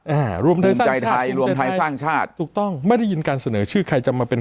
อ่ารวมไทยรวมไทยสร้างชาติถูกต้องไม่ได้ยินการเสนอชื่อใครจะมาเป็น